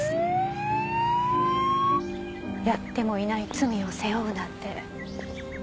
やってもいない罪を背負うなんて。